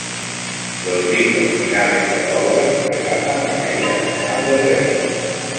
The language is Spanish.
Los libros finales de la obra, relatan la caída final del reino.